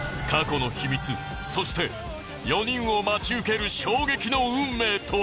そして４人を待ち受ける衝撃の運命とは！？